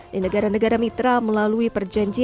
di negara negara mitra melalui perjanjian